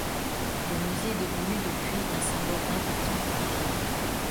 Le musée est devenu depuis un symbole important pour la ville.